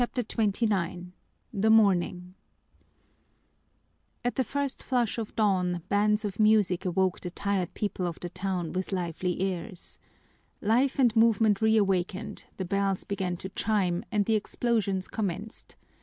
_" CHAPTER XXIX The Morning At the first flush of dawn bands of music awoke the tired people of the town with lively airs. Life and movement reawakened, the bells began to chime, and the explosions commenced.